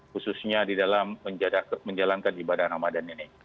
khususnya di dalam menjalankan ibadah ramadan ini